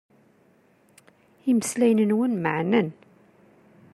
Imeslayen-nwen meɛnen.